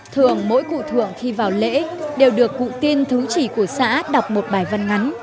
thường mỗi cụ thượng khi vào lễ đều được cụ tiên thứ chỉ của xã đọc một bài văn ngắn